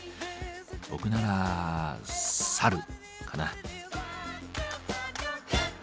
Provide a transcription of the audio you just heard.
僕ならサルかな。